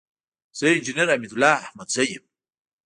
زه انجينر حميدالله احمدزى يم.